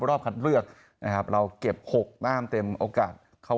รอบครันเรือกนะครับเราเก็บหกเต็มโอกาสข้ามเข้า